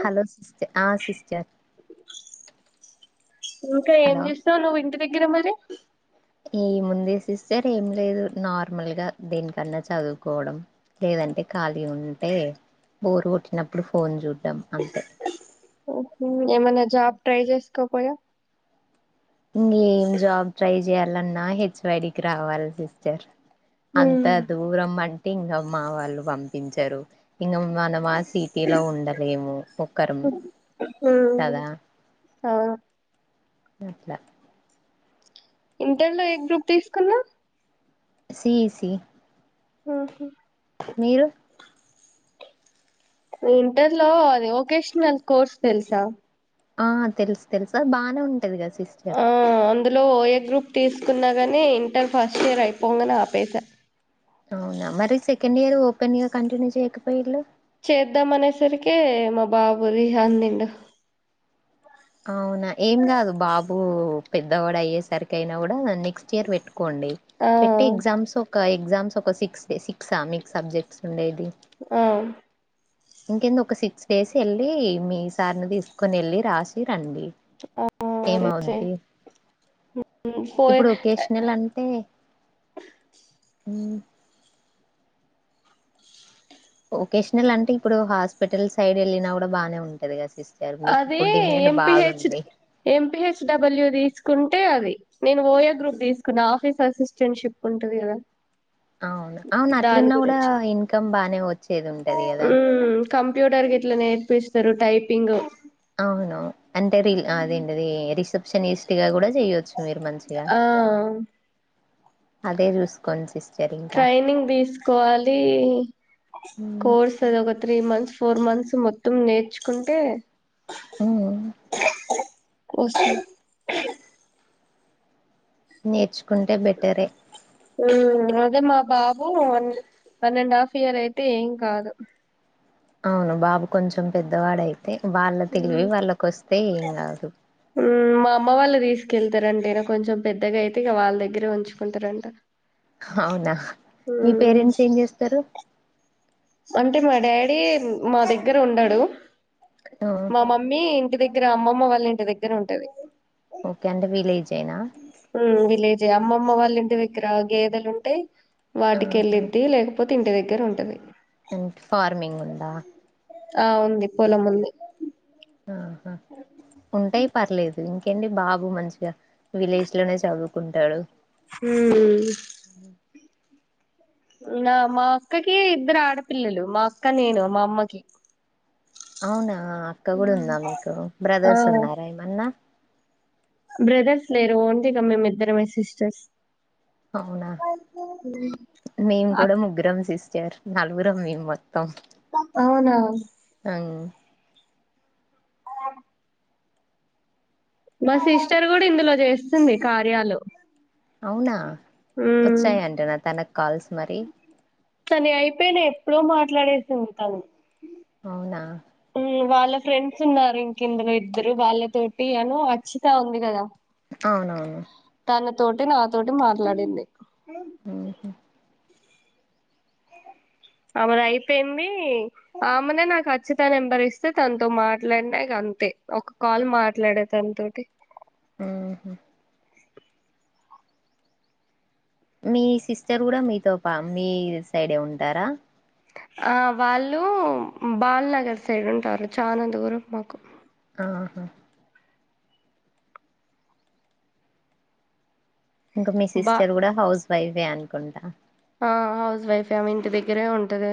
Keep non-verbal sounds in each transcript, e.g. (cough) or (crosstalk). Hello sister ఆ sister ఇంకా ఏం హలో చేస్తావు నువ్వు ఇంటి దగ్గర మరి ఈ ముందే సిస్టర్ ఏం లేదు నార్మల్ గా దీనికన్నా చదువుకోవడం లేదంటే ఖాళీ ఉంటే బోరు కొట్టినప్పుడు ఫోన్ చూడ్డం అంతే ఏమైనా జాబ్ ట్రై చేసుకోపోయావ్ ఇంక ఏం జాబ్ ట్రై చేయాలన్నా హెచ్ వైడికి రావాలి సిస్టర్ అంత దూరం అంటే ఇంకామ్ మా వాళ్ళు పంపించారు ఇంగ మనం సిటీలో ఉండలేము ఒకరు కదా అవును అట్లా ఇంటర్లో ఏ గ్రూప్ తీసుకున్నావ్ సి ఇ సి ఆహ ఇంటర్ లో అది వొకేషనల్ కోర్స్ తెలుసా ఆ తెలుసు తెలుసు బాగానే ఉంటది కదా సిస్టర్ ఆ అందులో ఓ ఏ గ్రూప్ తీసు తీకున్నాగానే ఇంటర్ ఫస్ట్ ఇయర్ అయిపోంగని ఆపేసా అవునా మరి సెకండ్ ఇయర్ ఓపెన్ గా కంటిన్యూ చేయకపోఇల్లు చేద్దాం అనేసరికి మా బాబు అందిండు అవునా ఏం కాదు బాబు పెద్దవాడు అయ్యేసరికి అయినా కూడా నెక్స్ట్ ఇయర్ పెట్టు కోండి ఆ పెట్టే ఎగ్జామ్స్ ఒక ఎగ్జామ్స్ ఒక సిక్స్ సిక్స్ మిక్స్ సబ్జెక్ట్స్ ఉండేది ఆ ఇంకేంది ఒక సిక్స్ డేస్ వెళ్ళి మీ సార్ని తీసుకొని వెళ్ళి రాసి కండి ఆ ఏమవద్ది ఇప్పుడు పోయి ఒకేషనల్ అంటే వకేషనల్ అంటే ఇప్పుడు హాస్పిటల్ సైడ్ వెళ్ళినా కూడా బాగానే ఉంటది కదా సిస్టర్ మీకు అది ఇప్పుడు డిమాండ్ ఎంపిహెచ్ బాగుంది ఎంపిహెచ్ డబల్యూ తీసు తీకుంటే అది నేను ఓయ గ్రూప్ తీసుకున్నా ఆఫీస్ అసిస్టెంట్ షిప్ ఉంటంది కదా అవును అవును దాని అట్లున్న కూడా గురించి ఇన్కమ్ బానే పోతుంది కంప్యూటర్ గీట్లా నేర్పిస్తారు టైపింగ్ అవును అంటే రి అదేండిది రిసెప్షనిస్ట్ గా కూడా చెయవచ్చు ఆ అదే చూసుకోం సిస్ ట్రైనింగ్ తీసుకోవాలి హ్మ్. కోర్స్ అది ఒక త్రీ మంత్స్ ఫోర్ మంత్స్ మొత్తం నేర్చుకుంటే హ్మ్. (inaudible) నేర్చుకుంటే బెటరే అదే మా బాబు one one and half year అయితే ఏం కాదు అవును బాబు కొంచెం పెద్దవాడయి అే వాళ్ళ తెలివి మ్మ్ వాళ్ళకిొస్తే ఏం కాదు మ్మ్ మా అమ్మ వాళ్ళు తీసుకెళ్తారంటేనా కొంచెం పెద్దగా అయితే ఇక వాళ్ళ దగ్గరే ఉంచుకుంటారంట అవునా మీ మ్మ్ పేరెంట్స్ ఏం చేస్తారు అంటే మా డాడీ మా దగ్గర ఉండడు మా మమ్మీ ఇంటి దగ్గర దగ్గర అమ్మమ్మ వాళ్ళ ఇంటి దగ్గర ఉంటది ఓకే అంటే వీలేజ్యినా మ్మ్ విలేజే అమ్మమ్మ వాళ్ళ ఇంటి దగ్గర గేదెలు ఉంటే ఆహా! వాటికిెళ్ళిద్ది లేకపోతే ఇంటి దగ్ర దగ్గర ఉంటుది అే ఫార్మింగ్ ఉందా ఆ ఉంది పొలం ఉంది ఆహా ఉంటాయి పర్లేదు ఇంకేంటి బాబు మంచిగా విలేజ్ లోనే చదువుకుంటాడు హ నా మా అక్కకి ఇద్దరు ఆడపిల్లలు మా అక్క నేను మా అమ్మకి అవునా అక్క కూడా ఉందా మీకు ఆ బ్రదర్స్ ఉన్నారా ఏమన్నా బ్రదర్స్ లేరు ఓన్లీగా మేమిద్దరమే సిస్టర్స్ అవునా మేము అక్క కూడా ముగ్గురం సిస్త చ్చారు నలుగురమ్మే మొత్తం అవునా అవు అ మా సిస్టర్ కూడా ఇందులో చేస్తుంది కార్యాలు అవునా వచ్చాయండి నా తనకు కాల్స్ మరి అని అయిపోయిన ఎప్పుడో మాట్లాడేసింది తను అవునా ఉమ్ వాళ్ళ ఫ్రెండ్స్ ఉన్నారు ఇంకందులో ఇద్దరు వాళ్ళతోోటి అను వచ్చితా ఉంది కదా అవునవును నాన్న తోటి నాతోటి మాట్లాడింది ఓహో అమెను అయిపోయింది ఆమెనే నాకు అచ్చితనం భరిస్తే తనతో మాట్లాడినా కాదు అంతే ఒక కాల్ మాట్లాడే దన తటి ఆ మీ సిస్టర్ కూడా మీతో పా మీ సైడే ఉంటారా ఆ వాళ్ళు బాల్ నగర్ సైడ్ ఉంటారు చాలా దూరం మాకు ఆహ ఇంకా మీ బా సిస్టర్ కూడా హౌస్ వైఫే అనుకుంటా ఆ హౌస్ వైఫ్ ఏమ ఇంటి దగ్గరే ఉంటది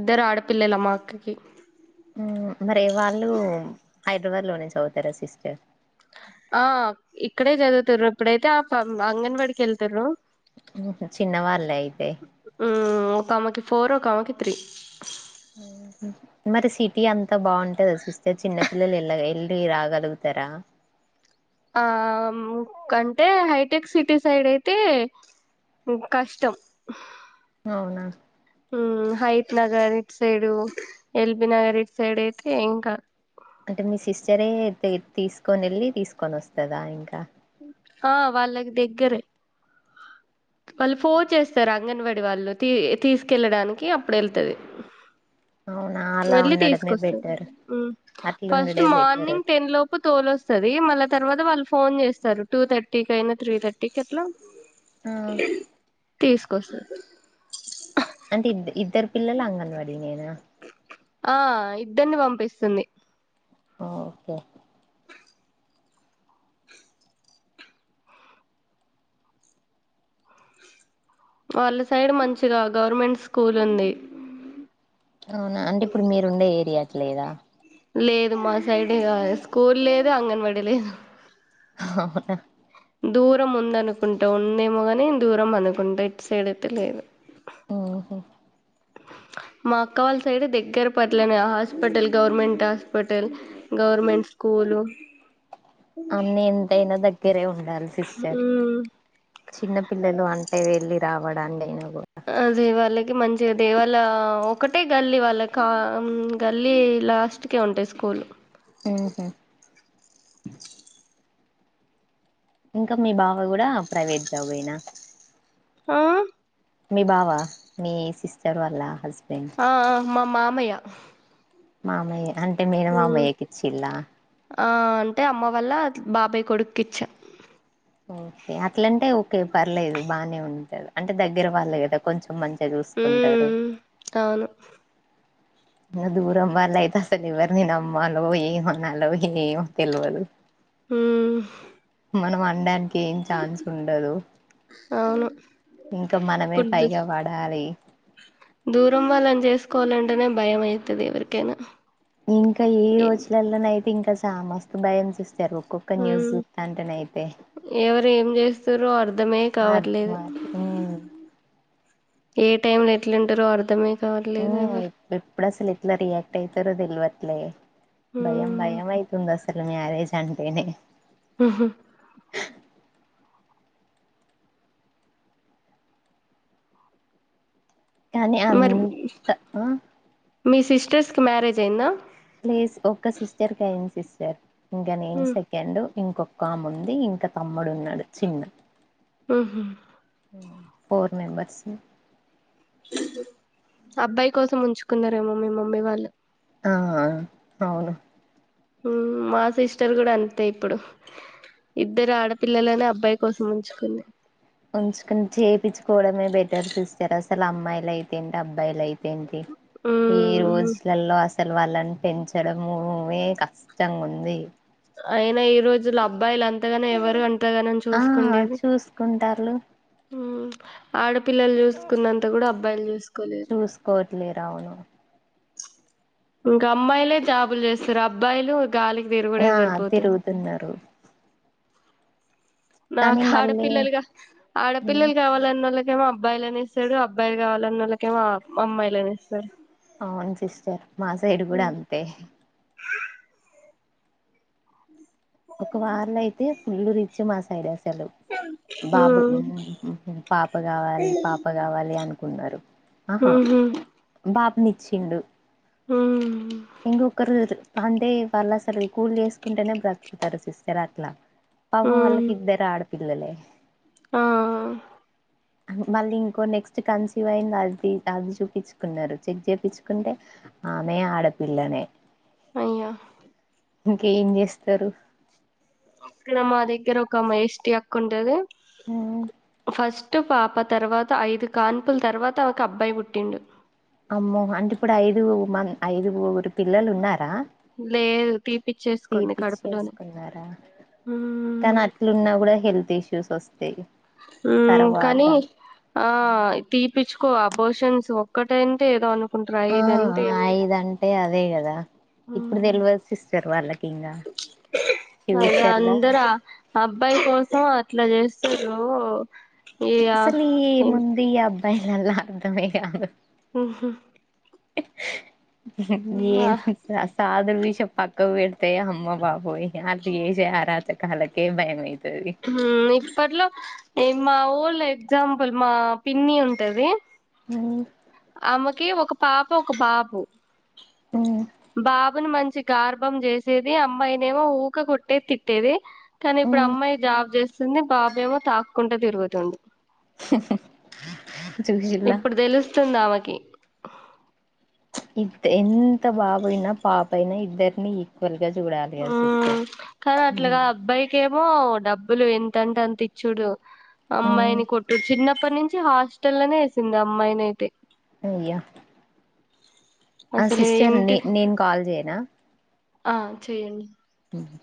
ఇద్దరు ఆడపిల్లలమ్మా అక్కకి పవ లోనే చ తరా సిస్టర్ ఆ ఇక్కడే చదువుతారు ఇప్పుడైతే ఆ అంగన్వాడికి వెళ్తారు చిన్న వాళ్ళే అయితే ఒకమెకి ఫోర్ ఒకకి త్రీ మరి సిటీ అంతా బాగుంటది సిస్టర్ చిన్న పిల్లలు ఎల్ళ ీ రాగలుగుతారా ఆ కంటే హైటెక్ సిటీ సైడ్ అయితే కష్టం అవునా హైత్ నగర్ ఇటు సైడు ఎల్బి నగర్ ఇటు సైడ్ అయితే ఇంకా అంటే మీ సిస్టరే తీసుకొని వెళ్ళి తీసుకొని వస్తందా ఇంకా ఆ వాళ్ళకి దగ్గరే వాళ్ళు ఫోన్ చేస్తారు అంగన్వాడిీ వాళ్ళు తీసుకెళ్ళడానికి అప్పుడు వెళ్తుది అవును వెళ్ళి తీసుకొస్తంది ఫస్ట్ అట్లుండుడే బెటర్ మార్నింగ్ టెన్ లోపు తోలు వస్తది మళ్ళా తర్వాత వాళ్ళు ఫోన్ చే స్తారు టూ థర్టీ క అయినా త్రీ థర్టీకి ఎట్లా ఆ తీసుకొస్తది అంటే ఇద్ద ఇద్దరు పిల్లలు అంగనవాడి నేన ఆ ఇద్దరిని పంపిస్తుంది ఆ ఓకే వాళ్ళ సైడ్ మంచిగా గవర్నమెంట్ స్కూల్ ఉంది అవునా అంటే ఇప్పుడు మీరుండే ఏరియా కి లేదా లేదు మా సైడ్ స్కూల్ లేదు అంగన్వాడీ లేదు అవునా దూరం ఉంద అనుకుంటా ఉందేమో కాని దూరం అనుకుంటా ఎటు సైడ్ అయితే లేదు ఓహో మా అక్క వాళ్ళ సైడ్ దగ్గర పట్లనే హాస్పిటల్ గవర్నమెంట్ హాస్పిటల్ గవర్నమెంట్ స్కూ లు అన్న ఎంతైనా దగ్గరే ఉండాలి సిస్టర్ మ్ చిన్న పిల్లలు అంటే వెళ్ళి రావడాన్ని నేను దేవాలళకి మం దేవళ ఒకటే గల్లీ వాళ్ళ కా గల్లీ లాస్ట్కే ఉంటాయి స్కూల్ ఆహా ఇంకా మీ బాబ కూడా ప్రైవేట్ జాబ్ అయినా ఆ మీ బావా మీ సిస్టర్ వాల్ళ హస్ ఆ మా మామయ మామయ్య మేన మామయ్యకిచ్చిల్లా ఆ అంటే అమ్మ వల్ల బాబాయి కొడుకిచ్చ ఓకే అట్లంటే ఓకే పర్లేదు బానే ఉంటది అంటే దగ్గర వాళ్ళు కదా కొంచెం మంచిగా చూసుకుంటారు ఉమ్ అవును దూర అమ్మల అయిత అసలు ఇవరు నను అమ్మలో ఏ అన్నాలో ఏ తెలివదు ఆ మనం అడానికి ఏం ఛాన్స్ ఉండదు అవును ఇంకా మనమే ఇప్పుడు దూ పైగా వాడాలి దూరం వాళ్ళనీ చేసుకోవాలంటేనే భయం అయితది ఎవరికైనా ఇంకా ఏ ఏం రోజులలోనైతే ఇంకా సామస్త భయం చేస్త సార్ ఒక్కొక్క న్యూస్ ఉమ్ చూస్తా అంటేన అయితే ఎవరు ఏం చేస్తారో అర్ధమే కావట్లేదు అర్థమా ఉమ్ ఏ టైమ్ లో ఎట్లుంటారో అర్థమే ఊ ఎప్పుడసలు ఏట్లా రియాక్ట్ అయితారో తెలివట్లే ఆహా కానీ మరి అంత ఆ మీ సిస్టర్స్ మ్యారేజ్ అయిందా ఎస్ ఇంకా నేన్ సెకండ్ ఇంకొక్క ఆము ఉంది ఇంకా తమ్ముడు ఉన్నాడు చిన్న ఆహా ఫోర్ మెంబర్స్ అబ్బాయి కోసం ఉంచుకున్నారేమో మీ మమ్మీ వాళ్ళు ఆ అవును మా సిస్టర్ కూడా అంతే ఇప్పుడు ఇద్దరు ఆడపిల్లలనే అబ్బాయి కోసం ఉంచుకుంది ఉంచుకుని చేపించుకోవడమే బెటర్ సిస్టర్ అసలు అమ్మాయిలు అయితే ఏంటి అబ్బాయిలు అయితే ఇంకా ఏంటి ఈ ఉమ్ రోజులలో అస సలు వాళ్ళని పెంచడమో కష్టంగా ఉంది అయినా ఈ రోజులు అబ్బాయిలు అంతగానే ఎవరు అన్ తేగానన్ ఆ చూసుకుండేది చూసుకుంటారు మ్మ్ ఆడపిల్లలు చూసుకున్నంత కూడా అబ్బాయిలు చూసుకు చూసుకోవ్ ట్లేర అని ఇంకా అమ్మాయిలే జాబులు చేస్తారు అబ్బాయిలు గాలికి తీరుగూడె ఆ సరిపోతుంది తిరుగుతున్నారు కానీ మాకు మళ్ళీ ఆడపిల్లలుగా ఆడపిల్లలు కావాలన్నల్లకి ఏమో అబ్బాయిలనే ఇస్తాడు అబ్బాయిలు కావల్ల అన్నల్లకేమో అమ్మాయిలుని ఇస్తాడు అవును సిస్టర్ మా సైడు కూడా ఉమ్ అంతే ఒక్క వార్లో అయితే ఫుల్లూ రిచ్ మా సైడ్ అ బాబు మ్మ్ ఉహు పాప కావాలి పాప కావాలి అని ఆహా ఉహు బాబునిచ్చిండు హ్మ్ ఇంకొకరు అంటే వాళ్ళు అసలు కూళ్ చేసుకుంటేనే బ్రతుకుతారు సిస్టర్ అట్లా పపం ఉమ్ వాళ్లకి ఇద్దరు ఆడపిల్లలే ఆ ఆ మళ్ళీ ఇంకో నెక్స్ట్ కాన్సివ్ అయింది అది అది చూపించుకున్నారు చెక్ చేపించుకుంటే ఆమె ఆడపిల్లనే అవున ఇంకేం చేస్తారు అక్కడ మా దగ్గర ఒక ఆమె ఏస్టి అక్క ఉంటాది ఫస్ట్ పాప తర్వాత ఐదు కాన్పుల తర్వాత ఒక అబ్బాయి పుట్టిండు అమ్మో అంటే ఇప్పుడు ఐదు మంద్ ఐదుగురు పిల్లలు ఉన్నారా లేదు తీపిచ్చేసుకుంది తీపిచ్చి కడుపులోనే ఏసుకున్నారా ఉమ్ కానీ అట్లున్నా కూడా హెల్త్ ఇష్యూస్ వస్తాయి మ్మ్ తర్వాత కానీ ఆ తీ తిప్పించుకో అబర్షన్స్ ఒక్కటి అంటే ఏదో అను ఆ ఐదంటే అదే కదా ఇప్పుడు తెలవల్సి ఇస్తారు వాళ్ళకి ఇంగా అదే ఫ్యూచర్లా అందర అబ్బాయి కోసం అట్లా చేస్ (unintelligible) ఉ అసలీ ఏముంది ఈ అబ్బాయిలలా అర్ధమే గాదు అహూ ఏమి ఇక సాలు అసలు విషయం పక్క పెడితే అమ్మో బాబొయ్ వాళ్ళు చేసే ఆరాచకాలకే భయం అయితుంది అప్పట్లో మా వొళ్ళు ఎగ్జాంపుల్ మా పిన్ని ఉంటది అవును కి ఒక పాప ఒక బాబు బాబుని మంచి గార్భం చేసేది అమ్మాయినేమో ఊకె కొట్టేది తిట్టేది కానీ ఇప్పుడు అమ్మాయి జాబ్ చేస్తుంది బాబు ఏమో తాక్కుంటా తిరుగుతుండు చూసిల్లా ఇప్పుడు తెలుస్తుంది ఆమెకి ఇద్ద ఎంత బాబయినా పాపయినా ఇద్దరిని గా చూడాలి కదా ఆ సిస్టర్ కాద్ అట్ల కాద్ ఉ అబ్బాయి కే మో డబ్బులు ఎంతంటే అంత ఇచ్చుడు అమ్మాయిని కొట్టు చిన్న అప్పటి నుంచి హాస్టల్నే వేసింది అమ్మాయిని అయితే అయ్య ఆ అసలు సిస్టర్ నే ఇంటి నేను కాల్ చేయనా ఆ చె్యండి మ్